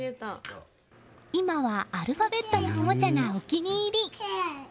今はアルファベットのおもちゃがお気に入り。